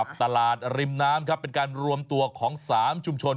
ตลาดริมน้ำครับเป็นการรวมตัวของ๓ชุมชน